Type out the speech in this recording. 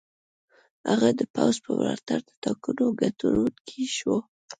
هغه د پوځ په ملاتړ د ټاکنو ګټونکی شو.